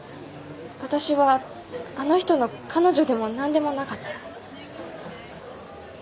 わたしはあの人の彼女でも何でもなかった。